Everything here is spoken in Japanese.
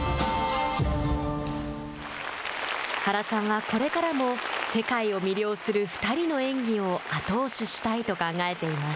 原さんはこれからも世界を魅了する２人の演技を後押ししたいと考えています。